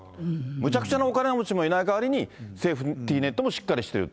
むちゃくちゃなお金持ちもいないかわりに、セーフティーネットもしっかりしてる。